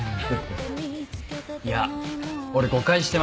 いや俺誤解してました。